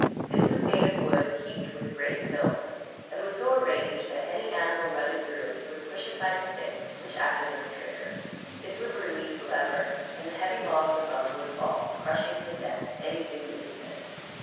This was made of wood heaped with great stones, and was so arranged that any animal running through it would push aside a stick, which acted as a trigger. This would release a lever, and the heavy logs above would fall, crushing to death anything beneath it.